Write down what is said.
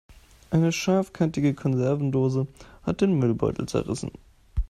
Eine scharfkantige Konservendose hat den Müllbeutel zerrissen.